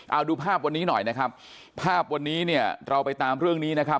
เอาดูภาพวันนี้หน่อยนะครับภาพวันนี้เนี่ยเราไปตามเรื่องนี้นะครับ